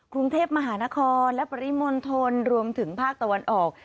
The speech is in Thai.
กรุงเทพมหานครและปริมณฑลรวมถึงภาคตะวันออก